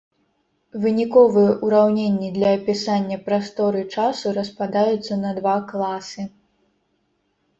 Выніковыя ўраўненні для апісання прасторы-часу распадаюцца на два класы.